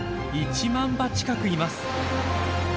１万羽近くいます。